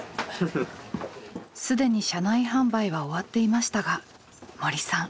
既に車内販売は終わっていましたが森さん。